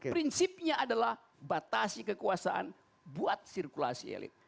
prinsipnya adalah batasi kekuasaan buat sirkulasi elit